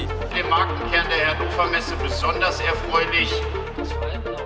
saya sangat senang untuk berada di pemerintah indonesia